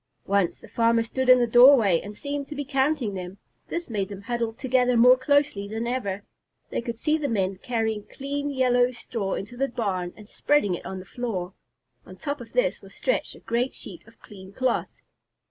Once the farmer stood in the doorway and seemed to be counting them. This made them huddle together more closely than ever. They could see the men carrying clean yellow straw into the barn and spreading it on the floor. On top of this was stretched a great sheet of clean cloth.